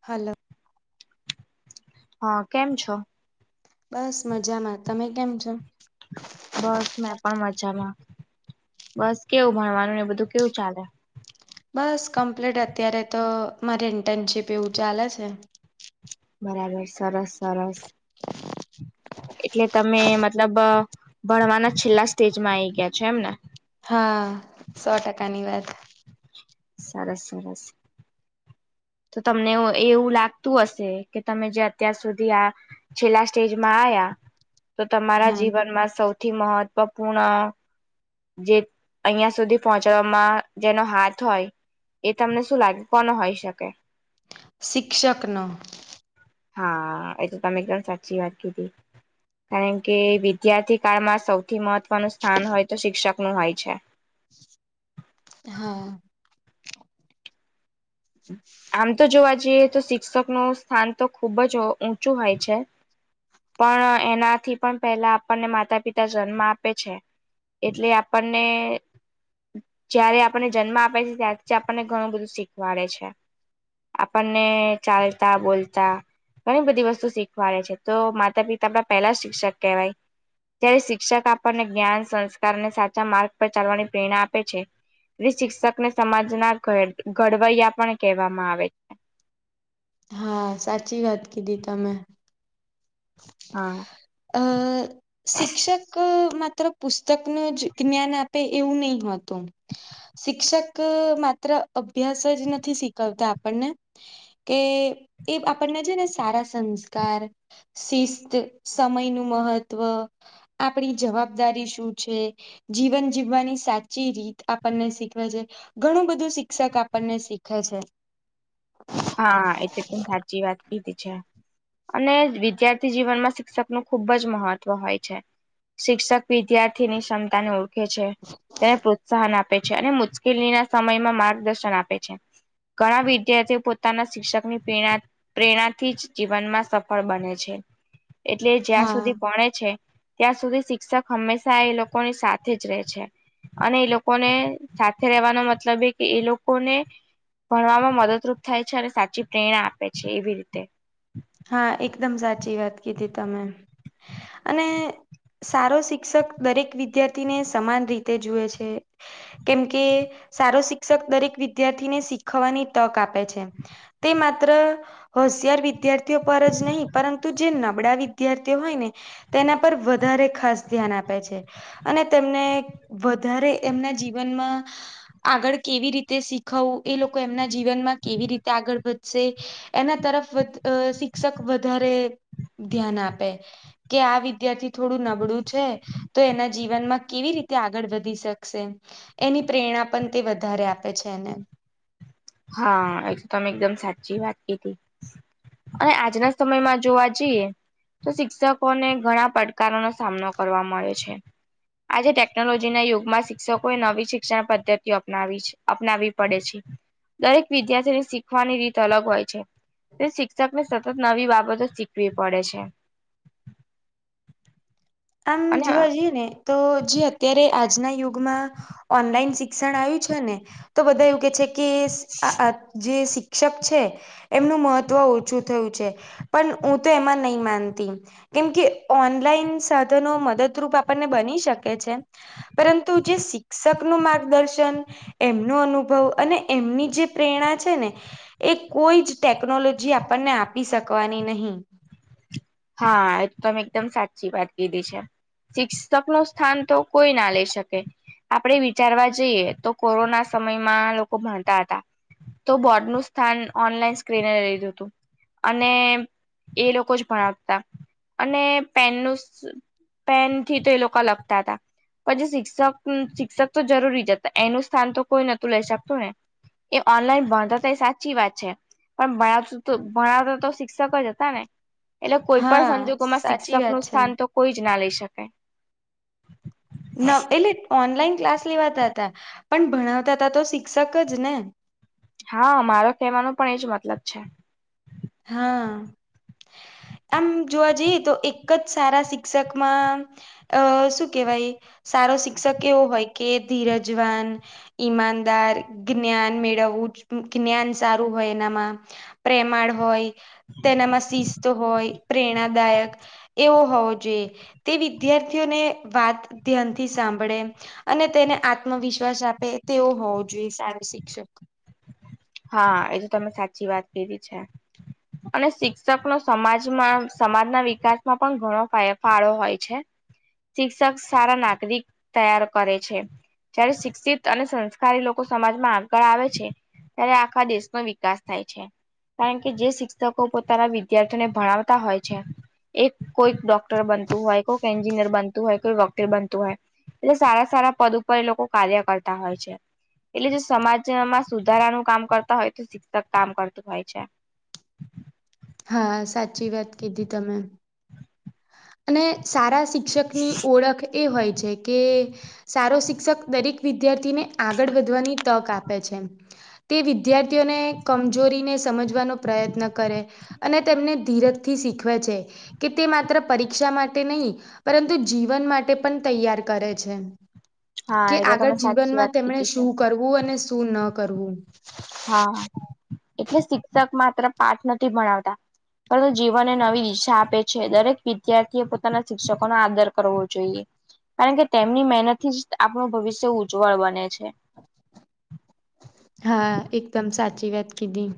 હાલ હા કેમ છો બસ મજામાં તમે કેમ છો બસ મેં પણ મજામાં બસ કેવું ભણવાનું ને બધું કેવું ચાલે બસ કમ્પ્લીટ અત્યારે તો મારે ઇન્ટર્નશીપ એવું ચાલે છે બરાબર સરસ સરસ એટલે તમે મતલબ ભણવાના છેલ્લા સ્ટેજમાં આ આવી ગયા છે એમ ને હા સો ટકાની વાત સરસ સરસ તો તમને એવું લાગતું હશે કે તમે જે અત્યાર સુધી આ છેલ્લા સ્ટેજમાં આવ્યા તો તમારા હા જીવનમાં સૌથી મહત્વપૂર્ણ જે અહં સુધી પહોંચાડવામાં જેનો હાથ હોય એ તમને શું લાગે કોને હોઈ શકે શિક્ષક ન હા એ તો તમે એકદમ સાચી વાત કીધી કારણ કે વિદ્યાર્થી કાળમાં સૌથી મહત્વનું સ્થાન હોય તો શિક્ષક નું હોય છે હા આમ તો જોવા જઈએ તો શિક્ષક ન સ્થાન તો ખુબ જ ઊંચું હોય છે પણ એનાથી પણ પહેલા આપણને માતા પિતા જન્મ આપે છે એટલે આપણને જયારે આપણને જન્મ આપે છે ત્યારથી આપણને ઘણું બધું શીખવાડે છે આપણને ચાલતા બોલતા ઘણી બધી વસ્તુ શીખવાડે છે તો માતા પિતા આપ પહેલા શિક્ષક કહેવાય ત્યારે શિક્ષક આપણને જ્ઞાન સંસ્કારને સાચા માર્ગ પર ચાલવાની પ્રેરણા આપે છે તે શિક્ષકને સમાજના ઘડવૈયા પણ કહેવામાં આવે છે હા સાચી વાત કીધી તમે હ [inaudible] હા અ શિક્ષક માત્ર પુસ્તકનું જ જ્ઞાન આપે એવું નહીં હોતું. શિક્ષક માત્ર અભ્યાસ જ નથી શીખવતા આપણને. કે એ આપણને છે ને સારા સંસ્કાર શિસ્ત સમયનું મહત્વ આપણી જવાબદારી શું છે? જીવન જીવવાની સાચી રીત આપણને શીખવે છે. ઘણું બધું શિક્ષક આપણને શીખવે છે. હા, એ તો સાચી વાત કીધી છે. અને વિદ્યાર્થી જીવનમાં શિક્ષકનું ખૂબ જ મહત્વ હોય છે. શિક્ષક વિદ્યાર્થીની ક્ષમતાને ઓળખે છે તેને પ્રોત્સાહન આપે પે છે અને મુશ્કેલીના સમયમાં માર્ગદર્શન આપે છે, ઘણા વિદ્યાર્થીઓ પો પોતાના શિક્ષકની પ્રેણા પ્રેરણાથી જ જીવનમાં સફળ બને છે. એટલે જ્યાં હા સુધી ભણે છે. ત્યાં સુધી શિક્ષક હંમેશા એ લોકોની સાથે જ રેય છે. અને એ લોકોને સાથે રહેવાનો મતલબ એ કે એ લોકોને ભણવામાં મદદરૂપ થાય છે અને સાચી પ્રેરણા આપે છે એવી રીતે. હા એકદમ સાચી વાત કીધી તમે અને સારો શિક્ષક દરેક વિદ્યાર્થીને સમાન રીતે જુએ છે. કેમકે સારો શિક્ષક દરેક વિદ્યાર્થીને શીખવાની તક આપે છે. તે માત્ર હોશિયાર વિદ્યાર્થી. ઓ પર જ નહીં પરંતુ જે નબળા વિદ્યાર્થીઓ હોય ને તેના પર વધારે ખાસ ધ્યાન આપે છે. અને તેમને વધારે એમનાં જીવનમાં આગળ કેવી રીતે શીખવું એ લોકો એમના જીવનમાં કેવી રીતે આગળ વધશે એના તરફ વધ અ શિક્ષક વધારે ધ્યાન આપે. કે આ વિદ્યાર્થી થોડું નબળું છે. તો એના જીવનમાં કેવી રીતે આગળ વધી શકશે? એની પ્રેરણા પણ તે વધારે આપે છે એને. હા એ તો તમે એકદમ સાચી વાત કીધી. અને આજનાં સમયમાં જોવા જઈએ તો શિક્ષકોને ઘણાં પડકારોનો સામનો કરવા મળે છે. આજે ટેકનોલોજીના યુગમાં શિક્ષકોએ નવી શિક્ષણ પદ્ધતિઓ અપનાવી છે અપનાવી પડે છે. દરેક વિદ્યાર્થીને શીખવાની રીત અલગ હોય છે. તે શિક્ષકને સતત નવી બાબતો શીખવી પડે છે. [inaudible] આમ અને જોવા જઈએ ને તો જે અત્યારે આજનાં યુગમાં ઓનલાઈન શિક્ષણ આયું છે ને તો બધા એવું કે છે કે આ આ કે જે શિ ક્ષક છે એમનું મહત્વ ઓછું થયું છે. પણ ઉ તો એમાં નઈ માનતી કેમકે ઓનલાઈન સાધનો મદદરૂપ આપણને બની શકે છે. પરંતુ જે શિક્ષકનું માર્ગદર્શન એમનો અનુભવ અને એમની જે પ્રેરણા છે ને એ કોઈ જ ટેકનોલોજી આપણને આપી શકવાની નહીં. હા, એ તો તમે એકદમ સાચી વાત કીધી છે. શિક્ષકનું સ્થાન તો કોઈ ના લઈ શકે. આપણે વિચારવા જઈએ તો કોરોના સમયમાં લોકો ભણતાં હતાં. તો બોર્ડનું સ્થાન ઓનલાઈન સ્ક્રીને લીધું તું. અને એ લોકો જ ભણાવતા અને પેનનું સ્ પેનથી તો એ લોકા લખતાં તા. પછી શિક્ષક ન શિક્ષક તો જરૂરી જ હતાં એનું સ્થાન તો કોઈ નોતું લઈ શકતું ને. એ ઓનલાઈન ભણતા હતા એ સાચી વાત છે પણ ભણાવતું [unintelligible] તો ભણાવતા તો શિક્ષકો જ હતા ને. એટલે કોઈ પણ હા સંજોગોમાં સાચી શિક્ષક વાત નું છે સ્થાન તો કોઈ જ ના લઈ શકે. ન એટલે ઓનલાઈન ક્લાસ લેવાતા હતા પણ ભણાવતા ત તો શિક્ષક જ ને. હા મારો કહેવાનો પણ એજ મતલબ છે. હા. આમ જોવા જઈએ તો એક જ સારા શિક્ષકમાં અ શું કેહેવાય સારો શિક્ષક એવો હોય કે ધીરજવાન ઈમાનદાર જ્ઞાન મેળવવું જ જ્ઞાન સારું હોય એનામાં પ્રેમાળ હોય તેનામાં શિસ્ત હોય પ્રેરણાદાયક એવો હોવો જોઈએ તે વિદ્યાર્થીઓને વાત ધ્યાનથી સાંભળે અને તેને આત્મવિશ્વાસ આપે તેવો હોવો જોઈએ સારું શિક્ષક. હા એ તો તમે સાચી વાત કીધી છે. અને શિક્ષકનો સમાજમાં સમાજના વિકાસમાં પણ ઘણો પાય ફાળો હોય છે. શિક્ષક સારા નાગરિક તૈયાર કરે છે. જયારે શિક્ષિત અને સંસ્કારી લોકો સમાજમાં આગળ આવે છે. ત્યારે આખા દેશ નો વિકાસ થાય છે. કારણ કે જે શિક્ષકો પોતાના વિદ્યાર્થીઓને ભણાવતા હોય છે. એક કોઈ ડોક્ટર બનતું હોય કોઈ એન્જિનિયર બનતું હોય કોઈ વકીલ બનતું હોય. એટલે સારા સારા પદ ઉપર એ લોકો કાર્ય કરતા હોય છે. એટલે જે સમાજમાં સુધારાનું કામ કરતા હોય તો શિક્ષક કામ કરતું હોય છે. હા સાચી વાત કીધી તમે. અને સારા શિક્ષકની ઓળખ એ હોય છે કે સારો શિક્ષક દરેક વિદ્યાર્થીને આગળ વધવાની તક આપે છે. તે વિદ્યાર્થીઓને કમજોરીને સમજવાનો પ્રયત્ન કરે. અને તેમને ધીરજ થી શીખવે છે કે તે માત્ર પરીક્ષા માટે નહીં પરંતુ જીવન માટે પણ તૈયાર કરે છે. હા કે એ તો આગળ તમે સાચી જીવનમાં વાત તેમણે કીધી છે શું કરવું અને શું ન કરવું. હા એટલે શિક્ષક માત્ર પાઠ નથી ભણાવતા. પરંત જીવનને નવી ઈચ્છા આપે છે દરેક વિદ્યાર્થી એ પોતાના શિક્ષકોનોો આદર કરવો જોઈએ. કારણ કે તેમની મહેનત થી જ આપણું ભવિષ્ય ઉજ્જવળ બને છે. હા એકદમ સાચી વાત કીધી.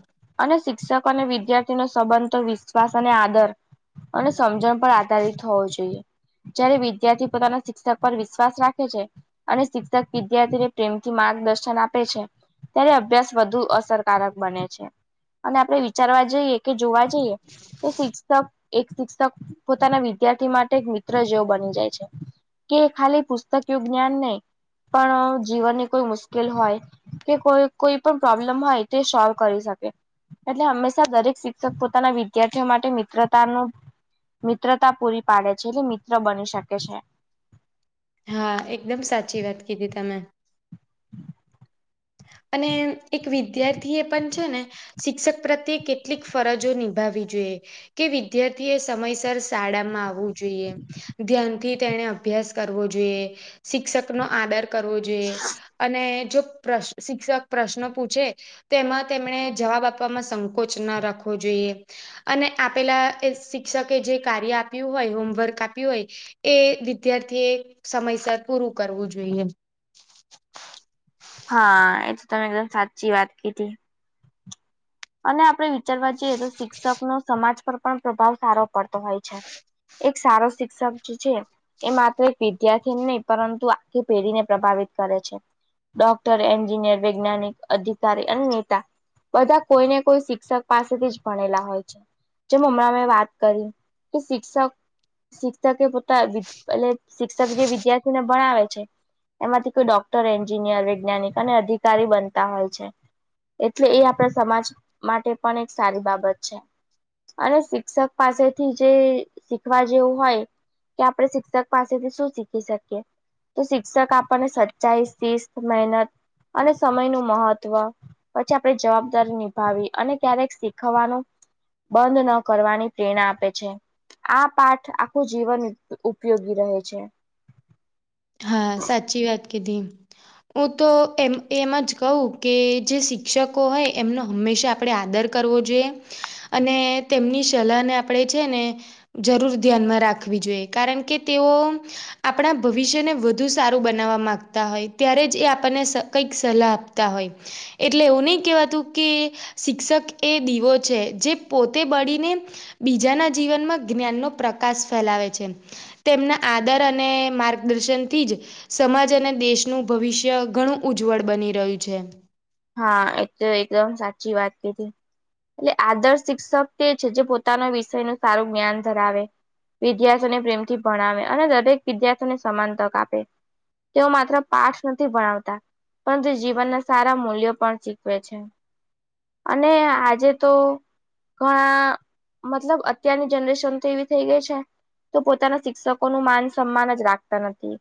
અને શિક્ષકો અને વિદ્યાર્થી નો સંબંધ વિશ્વાસ અને આદર અને સમજણ પર આધારિત હોવો જોઈએ. જયારે વિદ્યાર્થી પોતાના શિક્ષક પર વિશ્વાસ રાખે છે. અને શિક્ષક વિદ્યાર્થીને પ્રેમથી માર્ગદર્શન આપે છે. ત્યારે અભ્યાસ વધુ અસરકારક બને છે. અને આપણે વિચારવા જઈએ કે જોવા જઈએ તો શિકષક એક શિક્ષક પોતાના વિદ્યાર્થી માટે એક મિત્ર જેવો બની જાય છે. કે ખાલી પુસ્તક ય જ્ઞાન નહી પણ જીવનની કોઈ મુશ્કેલ હોય કે કોઈ કોઈ પણ પ્રોબ્લમ હોય તે સોલ્વ કરી શકે એટલે હંમેશા દરેક શિક્ષક પોતાના વિદ્યાર્થીઓ માટે મિત્રતાનો મિત્રતા પૂરી પાડે છે એટલે મિત્ર બની શકે છે. હા એકદમ સાચી વાત કીધી તમે. હમ. અને એક વિદ્યાર્થી થી એ પણ છે ને શિક્ષક પ્રત્યે કેટલીક ફરજો નિભાવવી જોઈએ કે વિદ્યાર્થી એ સમયસર શાળામાં આવવું જોઈએ. ધ્યાન થી તેને અભ્યાસ કરવો જોઈએ. શિક્ષક નો આદર કરવો જોઈએ અને જો પ્રશ્ શિક્ષક પ્રશ્ન પૂછે તેમાં તેમણે જવાબ આપવામાં સંકોચ ના રાખવો જોઈએ. અને આપેલા શિક્ષકે જે કાર્ય આપ્યું હોય હોમવર્ક આપ્યું હોય એ વિદ્યાર્થી એ સમયસર પૂરું કરવું જોઈએ્ હા એ તો તમે એકદમ સાચી વાત કીધી. અને આપણે વિચારવા જઈએ તો શિક્ષક નો સમાજ પર પણ પ્રભાવ સારો પડતો હોય છે સારો શિક્ષક જે છે. એ માત્ર એક વિદ્યાર્થી નહી પરંતુ આખી પેઢીને પ્રભાવિત કરે છે. ડોક્ટર એન્જિનિયર વૈજ્ઞાનિક અધિકારી અને નેતા બધા. કોઈ ને કોઈ શિક્ષક પાસેથી જ ભણેલા હોય છે. જે હમણા મે વાત કરી કે શિક્ષક શિક્ષકે પોતાએ એટલે શિક્ષક જે વિદ્યાર્થી ને ભણાવે છે એમાંથી કોઈ ડોક્ટર એન્જિનિયર વૈજ્ઞાનિક અને અધિકારી બનતા હોય છે. એટલે એ આપણા સમાજ માટે પણ એક સારી બાબત છે. અને શિક્ષક પાસેથી જે શીખવા જેવું હોય. કે આપણે શિક્ષક પાસેથી શું શીખી શકીએ. તો શિક્ષક આપણને સચચાઈસ તીસ્ મહેનત અને સમય નું મહત્વ પછી આપડે જવાબ નિભાવી અને ક્યારેક શીખવાનું બંધ ન કરવાની પ્રેરણા આપે છે. આ પાઠ આખું જીવન ઉપયોગી રહે છે. હા સાચી વાત કીધી. હું તો એમ એમ જ કહું કે જે શિક્ષકો હોય એમનો હંમેશા આપણે આદર કરવો જોઈએ અને તેમની સલાહને આપણે છે ને જરૂર ધ્યાનમાં રાખવી જોઈએ કારણ કે તેઓ આપણા ભ વિિષ્યને વધુ સારું બનાવવા માગતા હોય ત્યારે જ એ આપણને સ કંઈક સલાહ આપતા હોય એટલે એવું નહી કેવાતું કે શિક્ષક એ દીવો છે જે પોતે બળીને બીજાના જીવનમાં જ્ઞાનનો પ્રકાશ ફેલાવે છે તેમના આદર અને માર્ દર્શનથી જ સમાજ અને દેશનું ભવિષ્ય ઘણું ઉજ્જવળ બની રહ્યું છે હા એ તો એકદમ સાચી વાત કધી એટલે આદર્શ શિક્ષક તે છે જે પોતાના વિષય ન સારું જ્ઞાન ધરાવે વિદ્યાર્થીઓને પ્રેમથી ભણાવે અને દરેક વિદ્યાર્થીઓને સમાન તક આપે તેઓ માત્ર પાઠ નથી ભણાવતા પરંતુ જીવનના સારા મૂલ યો પણ શીખવે છે અને આજે તો ઘણા મતલબ અત્યારની જનરેશન તો એવી થઈ ગઈ છે તો પોતાના શિક્ષકો નું માન સન્માન જ રાખતા નથી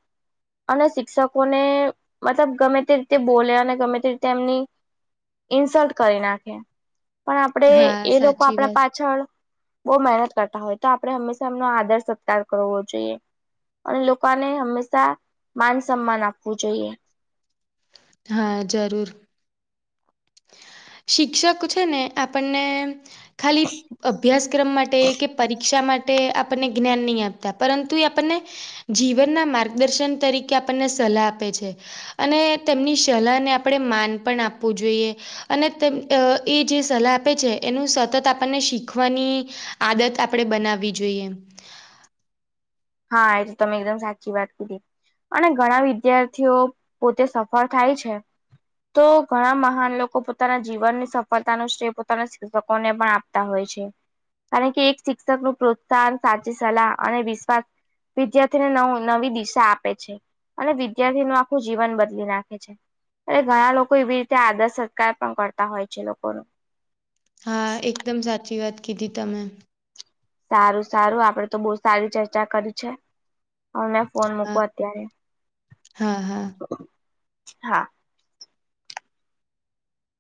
અને શિક્ષકોને મતલબ ગમે તે રીતે બોલે અને ગમે તે તેમની ઇન્સલ્ટ કરી નાખે પણ આપડે હા એ લોકો સાચી આપણા વાત. પાછળ બોહ મહેનત કરતા હોય તો આપણે હંમેશા એમનો આદર સત્કાર કરવો જોઈએ અને લોકોને હંમેશા માન સન્માન આપવું જોઈએ હા જરૂર શિક્ષક છે ને આપણને ખાલી અભ્યાસક્રમ માટે કે પરીક્ષા મા ટે આપણને જ્ઞાન નહીં આપતા પરંતુ એ આપણને જીવનના માર્ગદર્શન તરીકે આપણને સલાહ આપે છે અને તેમની સલાહ ને આપણે માન પણ આપવું જોઈએ અને તેમ એ જે સલાહ આપે છે એનું સતત આપણને શીખવાની આદત આપણે બનાવવી જોઈએ હા એ તો તમે એકદમ સાચી વાત કીધી. અને ઘણા વિદ્યાર્થીઓ પોતે સફળ થાય છે. તો ઘણા મહાન લોકો પોતાના જીવનની સફળતાનો શ્રેય પોતાના શિક્ષકોને પણ આપે. કારણ કે એક શિક્ષક નું પ્રોત્સાહન સાચી સલાહ અને વિશ્વાસ. વિદ્યાર્થીને ન નવી દિશા આપે છે અને વિદ્યાર્થી ન આખું જીવન બદલી નાખે છે. એ ઘણા લોકો એવી રીતે આદર સત્કાર પણ કરતા હોય છે લોકોનો. હા એકદમ સાચી વાત કીધી તમે. સારું સારું આપડે તો બહુ સારી ચર્ચા કરી છે. અમને ફોન હા મૂકો અત્યારે હા હા હા.